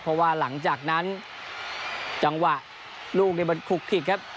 เพราะว่าหลังจากนั้นจังหวะลูกนี้มันคลุกขิกครับ